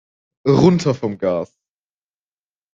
Runter vom Gas!